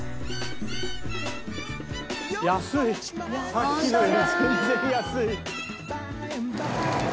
さっきのより全然安い。